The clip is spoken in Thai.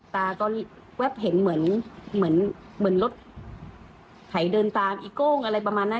ตาก็แวบเห็นเหมือนรถหายเดินตามอีโก้งอะไรประมาณนั้น